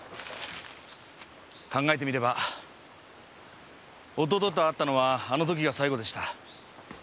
考えてみれば弟と会ったのはあの時が最後でした。